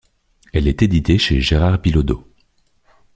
Elle est éditée chez Gérard Billaudot.